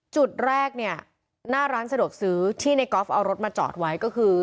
จุดแรกเนี่ยหน้าร้านสะดวกซื้อที่ในกอล์ฟเอารถมาจอดไว้ก็คือ